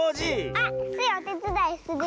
あっスイおてつだいする！